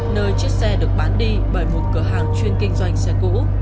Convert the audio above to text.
nơi chiếc xe được bán đi bởi một cửa hàng chuyên kinh doanh xe cũ